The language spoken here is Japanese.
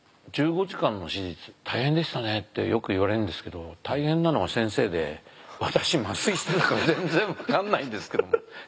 大変でしたねってよく言われるんですけど大変なのは先生で私麻酔してたから全然分かんないんですけど。